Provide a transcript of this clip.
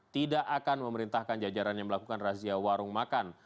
tidak akan memerintahkan jajaran yang melakukan razia warung makan